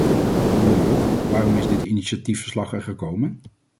Hoe dan ook, waarom is dit initiatiefverslag er gekomen?